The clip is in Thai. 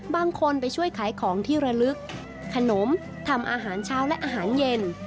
บางคนไปช่วยขายของที่ระลึกขนมทำอาหารเช้าและอาหารเย็น